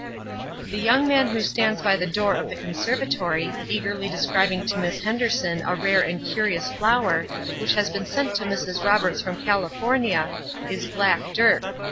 The young man who stands by the door of the conservatory, eagerly describing to Miss Henderson a rare and curious flower, which has been sent to Mrs. Roberts from California, is "black Dirk."